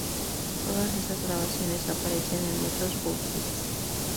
Todas esas grabaciones aparecen en muchos bootlegs.